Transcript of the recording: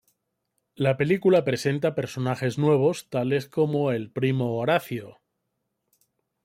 La película presenta personajes nuevos, tales como el primo Horacio.